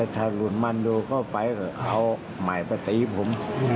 ถ้ารุ่นมันดูเข้าไปก็เอาใหม่ไปตีผม